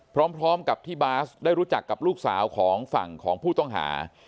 พร้อมกับที่บาสได้รู้จักกับลูกสาวของฝั่งของผู้ต้องหา